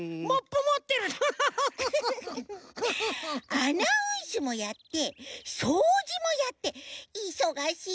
アナウンスもやってそうじもやっていそがしいよね！